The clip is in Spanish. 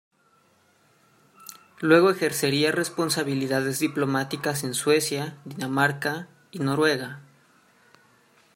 Luego ejercería responsabilidades diplomáticas en Suecia, Dinamarca y Noruega.